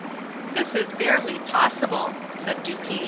"This is barely possible," said Dupin.